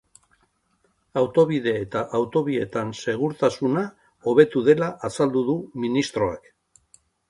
Autobide eta autobietan segurtasuna hobetu dela azaldu du ministroak.